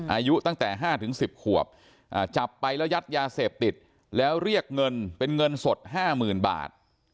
อายุตั้งแต่ห้าถึงสิบขวบจับไปแล้วยัดยาเสบติดแล้วเรียกเงินเป็นเงินสดห้าหมื่นบาท